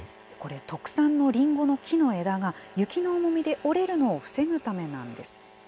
これ、特産のりんごの木の枝が雪の重みで折れるのを防ぐためなんです。